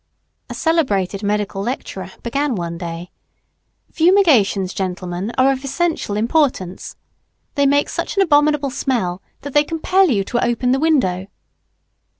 A celebrated medical lecturer began one day, "Fumigations, gentlemen, are of essential importance. They make such an abominable smell that they compel you to open the window."